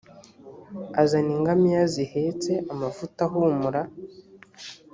azana ingamiya zihetse amavuta ahumura